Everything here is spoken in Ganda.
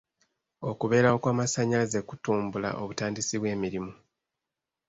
Okubeerawo kw'amasannyalaze kutumbula obutandisi bw'emirimu.